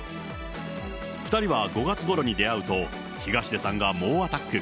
２人は５月ごろに出会うと、東出さんが猛アタック。